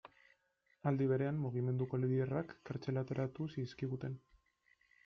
Aldi berean, mugimenduko liderrak kartzelaratu zizkiguten.